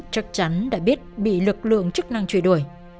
chắc chắn đã biết bị lực lượng chức năng trụi đổi